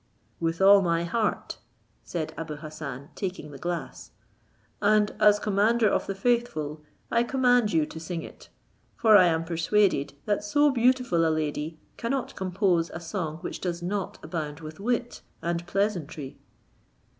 "With all my heart," said Abou Hassan, taking the glass, "and, as commander of the faithful, I command you to sing it; for I am persuaded that so beautiful a lady cannot compose a song which does not abound with wit and pleasantry."